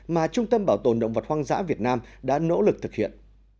mà trung tâm bảo tồn động vật hoang dã việt nam đã nỗ lực thực hiện